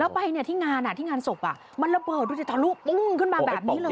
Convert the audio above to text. แล้วไปเนี่ยที่งานที่งานศพมันระเบิดดูสิทะลุปุ้งขึ้นมาแบบนี้เลย